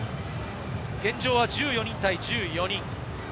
現状は１４人対１４人。